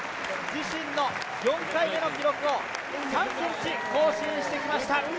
自身の４回目の記録を３ｃｍ更新してきました。